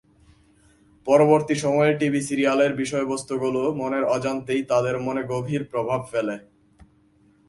পরবর্তী সময়ে টিভি সিরিয়ালের বিষয়বস্তুগুলো মনের অজান্তেই তাঁদের মনে গভীর প্রভাব ফেলে।